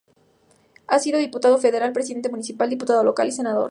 Ha sido diputado federal, presidente municipal, diputado local y senador.